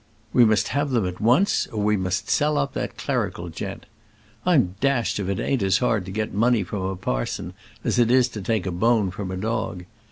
We must have them at once, or we must sell up that clerical gent. I'm dashed if it ain't as hard to get money from a parson as it is to take a bone from a dog.